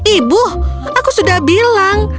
ibu aku sudah bilang